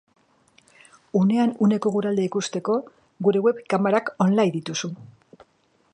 Unean uneko eguraldia ikusteko, gure web-kamerak online dituzu.